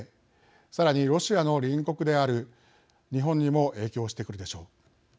さらに、ロシアの隣国である日本にも影響してくるでしょう。